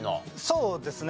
そうですね。